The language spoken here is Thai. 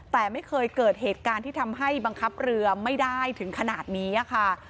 แต่ไม่เคยเกิดเหตุการณ์ที่ทำให้บังคับเรือไม่ได้ถึงขนาดนี้ค่ะ